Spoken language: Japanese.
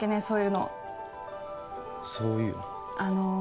そういうのそういうの？